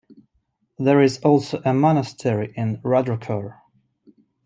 There is also a Monastery in Rudrokor.